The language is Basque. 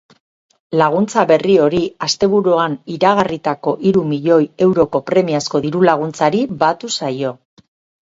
Laguntza berri hori asteburuan iragarritako hiru milioi euroko premiazko diru-laguntzari batu zaio.